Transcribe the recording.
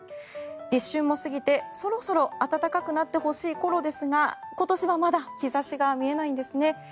立春も過ぎてそろそろ暖かくなってほしい頃ですが今年はまだ兆しが見えないんですね。